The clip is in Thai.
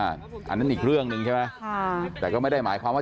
อันนั้นอีกเรื่องหนึ่งใช่ไหมแต่ก็ไม่ได้หมายความว่า